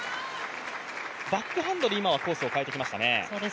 バックハンドで今はコースを変えてきましたね。